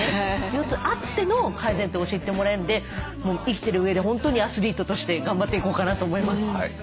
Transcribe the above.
腰痛あっての改善点教えてもらえるんで生きてるうえで本当にアスリートとして頑張っていこうかなと思います。